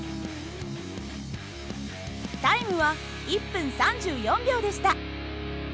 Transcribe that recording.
タイムは１分３４秒でした。